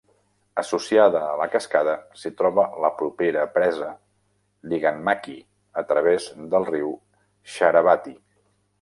Associada a la cascada s'hi troba la propera presa Linganmakki, a través del riu Sharavathi.